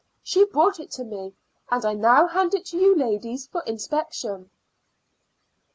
She brought it to me, and I now hand it to you ladies for inspection."